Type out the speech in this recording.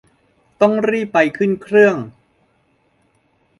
ต้องรีบไปขึ้นเครื่อง